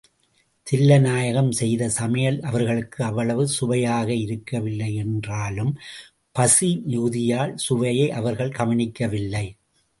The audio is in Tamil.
தில்லைநாயகம் செய்த சமையல் அவர்களுக்கு அவ்வளவு சுவையாக இருக்கவில்லையென்றாலும் பசி மிகுதியால் சுவையை அவர்கள் கவனிக்கவில்லை.